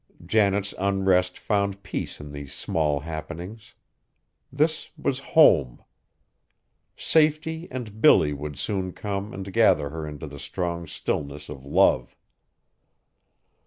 Janet's unrest found peace in these small happenings. This was home. Safety and Billy would soon come and gather her into the strong stillness of love!